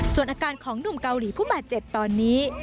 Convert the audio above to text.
ส่วนอาการของหนุ่มเกาหลีผู้บาดเจ็บตอนนี้